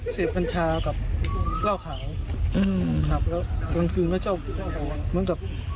กัญชากับเหล้าขาวอืมครับแล้วกลางคืนก็เจ้าเหมือนกับ